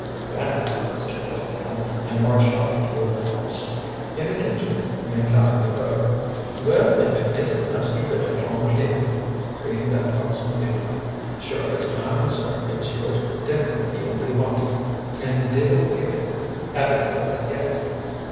"Thanks," said Bill again, and marched off toward the house. In the kitchen he encountered the cook. "Well, if it isn't Master Bill home agin'," beamed that buxom female. "Sure as I'm a sinner it's yer dinner ye'll be wantin'—an' divil a bit av it cooked yet.